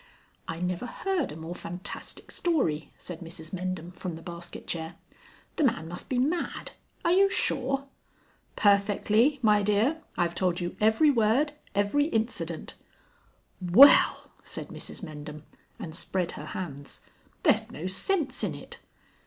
"I never heard a more fantastic story," said Mrs Mendham from the basket chair. "The man must be mad. Are you sure ." "Perfectly, my dear. I've told you every word, every incident ." "Well!" said Mrs Mendham, and spread her hands. "There's no sense in it."